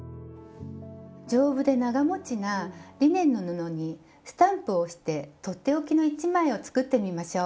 丈夫で長もちなリネンの布にスタンプを押して取って置きの１枚を作ってみましょう。